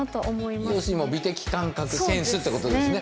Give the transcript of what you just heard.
要するにもう美的感覚センスってことですね。